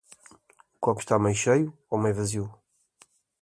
O copo está meio cheio ou meio vazio?